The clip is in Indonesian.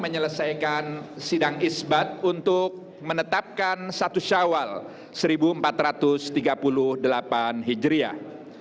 menyelesaikan sidang isbat untuk menetapkan satu syawal seribu empat ratus tiga puluh delapan hijriah